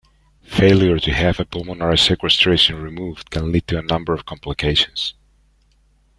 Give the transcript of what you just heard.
Failure to have a pulmonary sequestration removed can lead to a number of complications.